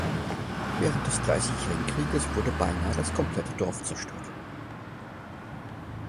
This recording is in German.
Während des Dreißigjährigen Krieges wurde beinahe das komplette Dorf zerstört.